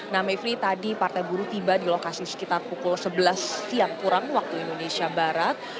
nah mevri tadi partai buruh tiba di lokasi sekitar pukul sebelas siang kurang waktu indonesia barat